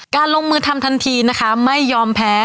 การลงมือทำทันทีไม่ยอมแพ้